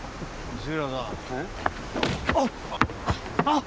あっ！